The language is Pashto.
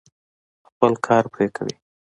خپل کار پرې کوي.